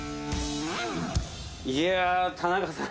いやぁ田中さん。